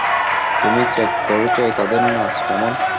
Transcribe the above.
তুমি চেক করছ তাদের নাচ কেমন!